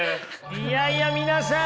いやいや皆さん